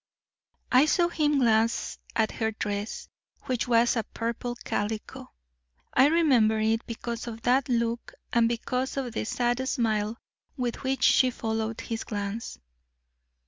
I saw him glance at her dress, which was a purple calico. I remember it because of that look and because of the sad smile with which she followed his glance.